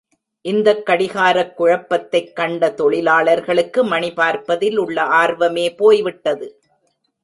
இந்தக் கடிகாரக் குழப்பத்தைக் கண்ட தொழிலாளர்களுக்கு மணி பார்ப்பதில் உள்ள ஆர்வமே போய் விட்டது.